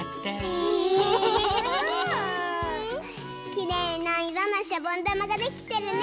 きれいないろのしゃぼんだまができてるね。